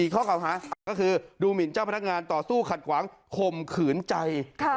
ข้อเก่าหาก็คือดูหมินเจ้าพนักงานต่อสู้ขัดขวางข่มขืนใจ